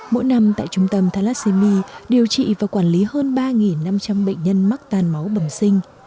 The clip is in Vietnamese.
mỗi năm tại trung tâm thalassemi điều trị và quản lý hơn ba năm trăm linh bệnh nhân mắc tan máu bẩm sinh